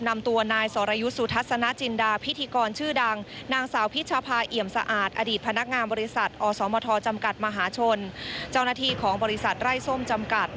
ในพื้นที่ของบริษัทไร้ส้มจำกัด